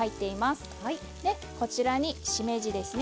こちらにしめじですね。